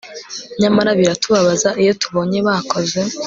Nyamara biratubabaza iyo tubonye bakoze